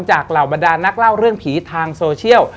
เหล่าบรรดานักเล่าเรื่องผีทางโซเชียล